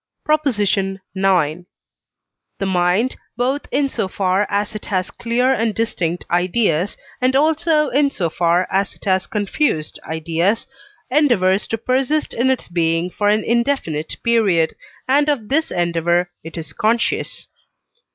PROP. IX. The mind, both in so far as it has clear and distinct ideas, and also in so far as it has confused ideas, endeavours to persist in its being for an indefinite period, and of this endeavour it is conscious.